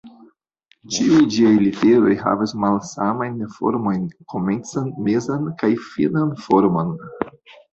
Ĉiuj ĝiaj literoj havas malsamajn formojn, komencan, mezan, kaj la finan formon.